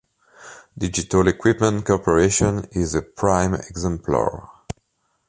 Digital Equipment Corporation is a prime exemplar.